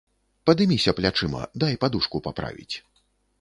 Падыміся плячыма, дай падушку паправіць.